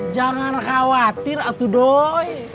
jangan khawatir atu doi